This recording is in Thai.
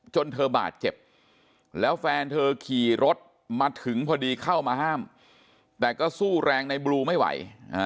จนเธอบาดเจ็บแล้วแฟนเธอขี่รถมาถึงพอดีเข้ามาห้ามแต่ก็สู้แรงในบลูไม่ไหว